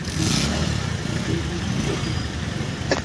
তারা আমাকে জ্যান্ত পুঁতে ফেলবে!